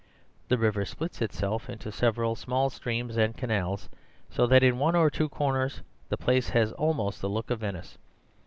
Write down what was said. The river splits itself into several small streams and canals, so that in one or two corners the place has almost the look of Venice.